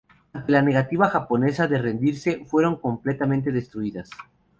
Ante la negativa japonesa de rendirse, fueron completamente destruidas.